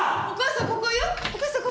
お母さんここ！